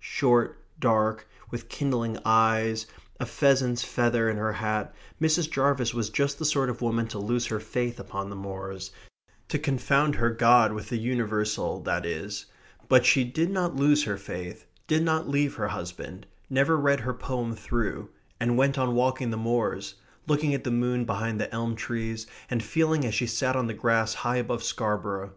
Short, dark, with kindling eyes, a pheasant's feather in her hat, Mrs. Jarvis was just the sort of woman to lose her faith upon the moors to confound her God with the universal that is but she did not lose her faith, did not leave her husband, never read her poem through, and went on walking the moors, looking at the moon behind the elm trees, and feeling as she sat on the grass high above Scarborough...